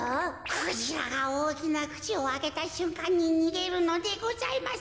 クジラがおおきなくちをあけたしゅんかんににげるのでございます。